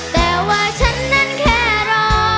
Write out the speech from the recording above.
แต่ว่าฉันนั้นแค่รอ